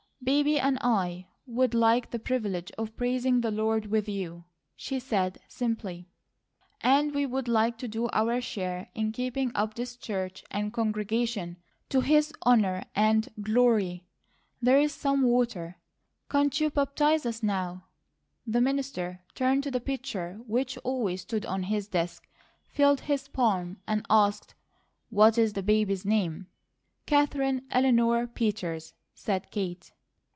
"Baby and I would like the privilege of praising the Lord with you," she said simply, "and we would like to do our share in keeping up this church and congregation to His honour and glory. There's some water. Can't you baptize us now?" The minister turned to the pitcher, which always stood on his desk, filled his palm, and asked: "What is the baby's name?" "Katherine Eleanor Peters," said Kate.